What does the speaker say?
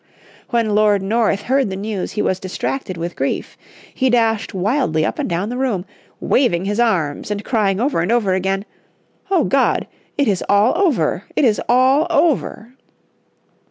When Lord North heard the news he was distracted with grief. He dashed wildly up and down the room, waving his arms and crying over and over again, "O God, it is all over, it is all over."